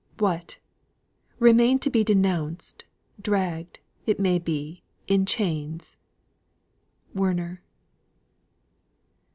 "What! remain to be. Denounced dragged, it may be, in chains." WERNER.